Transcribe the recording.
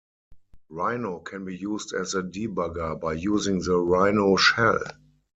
Rhino can be used as a debugger by using the Rhino shell.